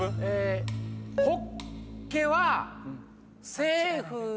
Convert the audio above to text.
ホッケはセーフです。